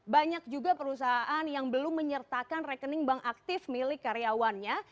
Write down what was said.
banyak juga perusahaan yang belum menyertakan rekening bank aktif milik karyawannya